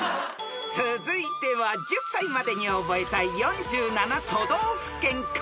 ［続いては『１０才までに覚えたい４７都道府県』から出題］